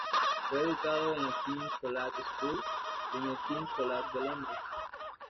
Fue educado en la King's College School y en el King's College de Londres.